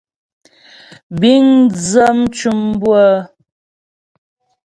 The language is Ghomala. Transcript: Bíŋ dzə mcʉ̌m bʉ́ə.